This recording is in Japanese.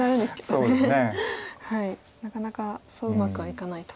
なかなかそううまくはいかないと。